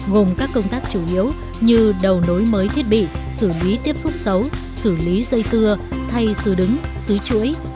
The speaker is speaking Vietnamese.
gồm các công tác chủ yếu như đầu nối mới thiết bị xử lý tiếp xúc xấu xử lý dây tưa thay sửa đứng sửa chuỗi